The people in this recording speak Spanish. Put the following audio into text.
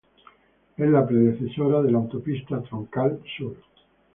Es la predecesora de la autopista Troncal Sur.